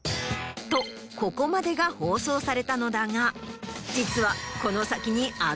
とここまでが放送されたのだが実は。